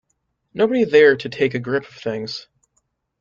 Nobody there to take a grip of things.